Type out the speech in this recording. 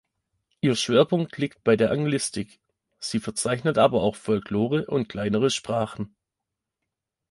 Ihr Schwerpunkt liegt bei der Anglistik, sie verzeichnet aber auch Folklore und kleinere Sprachen.